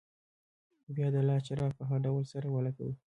بیا یې د لاسي چراغ په هغه ډول سره ولګوئ.